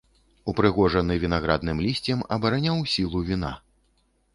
Упрыгожаны вінаградным лісцем абараняў сілу віна.